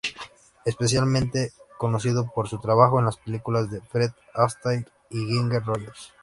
Especialmente conocido por su trabajo en las películas de Fred Astaire y Ginger Rogers.